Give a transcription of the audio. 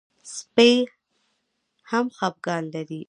سپي هم خپګان لري.